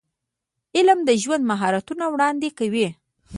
علم د ژوند مهارتونه وړاندې کوي.